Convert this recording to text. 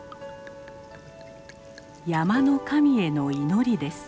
山の神への祈りです。